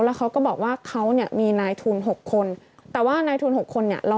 แล้วเขาก็บอกว่าเขาเนี่ยมีนายทุน๖คนแต่ว่านายทุน๖คนเนี่ย